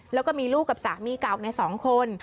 แล้วก็มีลูกกับสามีเก่าใน๒คน